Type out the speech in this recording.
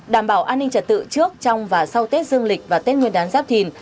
đảm bảo an ninh trật tự trước trong và sau tết dương lịch và tết nguyên đán giáp thìn